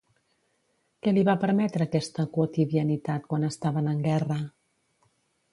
Què li va permetre, aquesta quotidianitat, quan estaven en guerra?